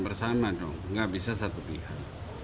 bersama dong nggak bisa satu pihak